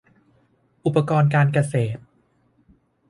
อุปกรณ์การเกษตร